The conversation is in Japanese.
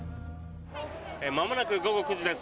まもなく午後９時です。